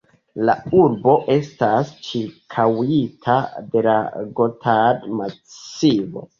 La urbo estas ĉirkaŭita de la Gotard-Masivo.